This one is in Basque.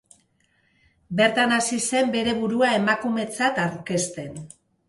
Bertan hasi zen bere burua emakumetzat aurkezten.